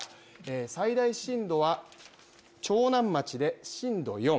最大震度は長南町で震度４。